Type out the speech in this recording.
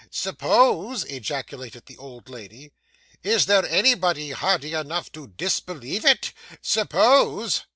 'Suppose!' ejaculated the old lady. 'Is there anybody hardy enough to disbelieve it? Suppose!